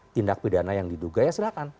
tindak pidana yang diduga ya silahkan